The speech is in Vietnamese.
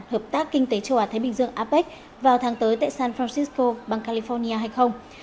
hợp tác kinh tế châu á thái bình dương apec vào tháng tới tại san francisco bang california hay không